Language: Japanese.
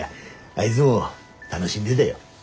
あいづも楽しんでだよ。